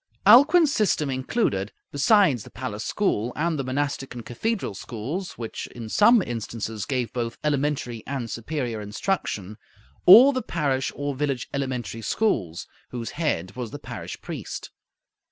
Alcuin's system included, besides the palace school, and the monastic and cathedral schools, which in some instances gave both elementary and superior instruction, all the parish or village elementary schools, whose head was the parish priest.